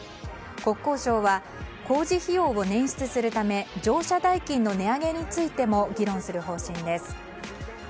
国交省は工事費用をねん出するため乗車代金の値上げについても議論する方針です。